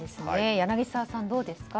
柳澤さん、どうですか？